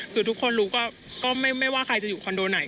คือทุกคนรู้ก็ไม่ว่าใครจะอยู่คอนโดไหน